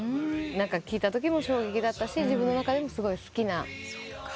聴いたときも衝撃だったし自分の中でもすごい好きな世界。